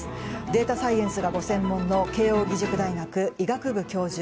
データサイエンスがご専門の慶應義塾大学医学部教授